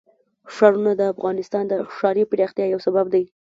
ښارونه د افغانستان د ښاري پراختیا یو سبب دی.